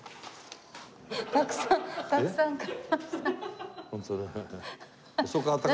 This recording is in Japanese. たくさんたくさん買いました。